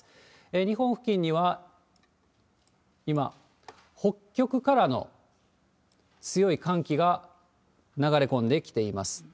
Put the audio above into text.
日本付近には今、北極からの強い寒気が流れ込んできています。